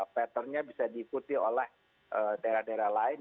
pattern nya bisa diikuti oleh daerah daerah lain